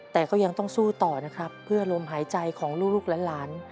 แต่ก็ยังต้องสู้ต่อนะครับเพื่อลมหายใจของลูกหลาน